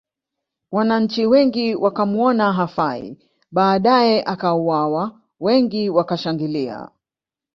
Wananchi wengi wakamuona hafai badae akauwawa wengi wakashangilia